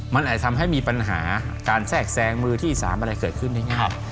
มันอาจทำให้มีปัญหาการแทรกแซงมือที่๓อะไรเกิดขึ้นได้ง่าย